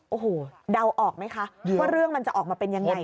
โอ้โหเดาออกไหมคะว่าเรื่องมันจะออกมาเป็นยังไง